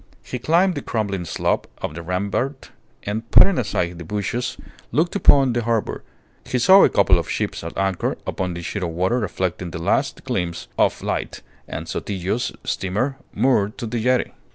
He climbed the crumbling slope of the rampart, and, putting aside the bushes, looked upon the harbour. He saw a couple of ships at anchor upon the sheet of water reflecting the last gleams of light, and Sotillo's steamer moored to the jetty.